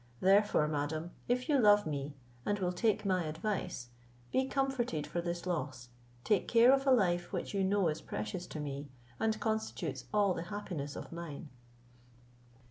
Therefore, madam, if you love me, and will take my advice, be comforted for this loss, take care of a life which you know is precious to me, and constitutes all the happiness of mine.